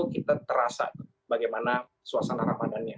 kita terasa bagaimana suasana ramadan nya